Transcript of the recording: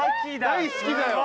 大好きだよ！